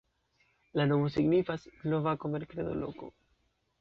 La nomo signifas: slovako-merkredo-loko.